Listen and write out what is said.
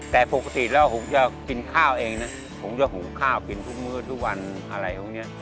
แต่ปกติแล้วผมจะกินข้าวเองนะผมจะหูข้าวกินทุกมื้อทุกวันอะไรพวกนี้